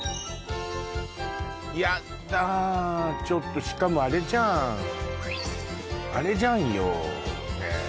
ちょっとしかもあれじゃんあれじゃんよね